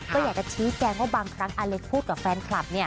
ก็อยากจะชี้แจงว่าบางครั้งอาเล็กพูดกับแฟนคลับ